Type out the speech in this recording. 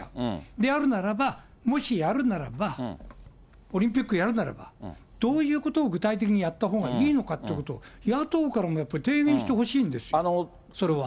であるならば、もしやるならば、オリンピックやるならば、どういうことを具体的にやったほうがいいのかということを、野党からもやっぱり提言してほしいんですよ、それは。